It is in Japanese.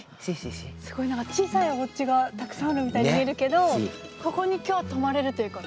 すごい何か小さいおうちがたくさんあるみたいに見えるけどここに今日泊まれるということ？